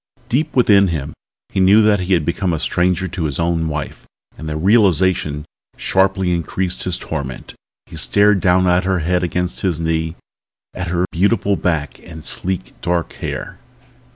Deep within him he knew that he had become a stranger to his own wife and the realization sharply increased his torment. He stared down at her head against his knee, at her beautiful back and sleek, dark hair.